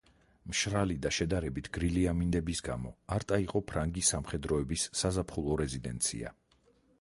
მშრალი და შედარებით გრილი ამინდების გამო არტა იყო ფრანგი სამხედროების საზაფხულო რეზიდენცია.